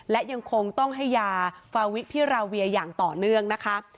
และยังคงต้องให้ยาฟาวิพิราเวียอย่างต่อเนื่องนะคะ